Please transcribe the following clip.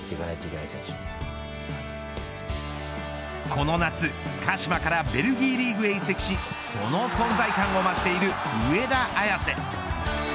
この夏、鹿島からベルギーリーグへ移籍しその存在感を増している上田綺世。